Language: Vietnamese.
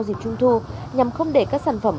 dịp trung thu nhằm không để các sản phẩm